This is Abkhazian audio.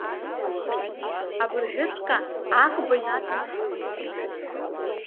Абыржәыҵәҟьа аӷба инаҭаны ҳхынҳәит.